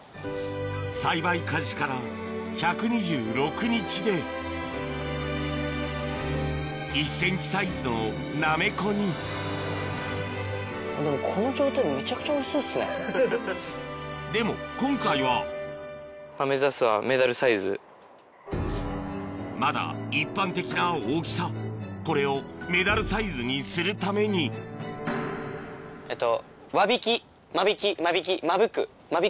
栽培開始から１２６日で１ｃｍサイズのナメコにでも今回はまだ一般的な大きさこれをメダルサイズにするためにえっと。